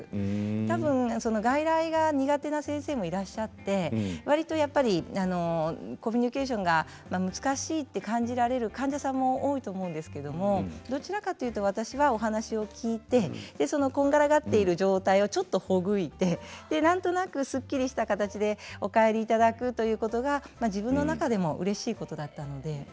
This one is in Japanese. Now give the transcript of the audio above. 多分外来が苦手な先生もいらっしゃって割とやっぱりあのコミュニケーションが難しいって感じられる患者さんも多いと思うんですけどもどちらかというと私はお話を聞いてでそのこんがらがっている状態をちょっとほぐいてで何となくすっきりした形でお帰りいただくということが自分の中でもうれしいことだったので。